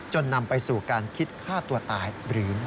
นำไปสู่การคิดฆ่าตัวตายหรือไม่